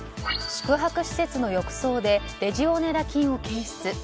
宿泊施設の浴槽でレジオネラ菌を検出。